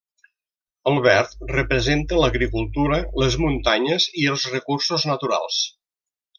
El verd representa l'agricultura, les muntanyes i els recursos naturals.